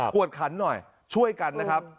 วดขันหน่อยช่วยกันนะครับ